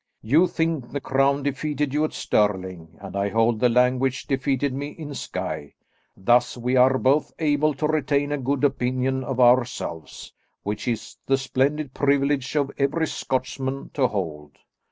You think the crown defeated you at Stirling, and I hold the language defeated me in Skye; thus we are both able to retain a good opinion of ourselves, which is the splendid privilege of every Scotchman to hold.